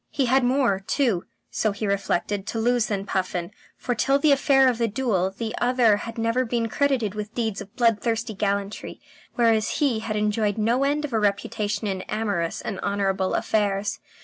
He had more too, so he reflected, to lose than Puffin, for till the affair of the duel the other had never been credited with deeds of bloodthirsty gallantry, whereas he had enjoyed no end of a reputation in amorous and honourable affairs.